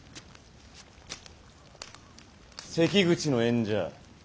関口の縁者